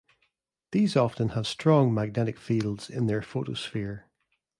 These often have strong magnetic fields in their photosphere.